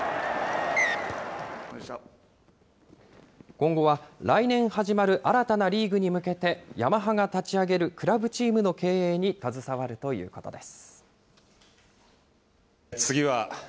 今後は来年始まる新たなリーグに向けて、ヤマハが立ち上げるクラブチームの経営に携わるということです。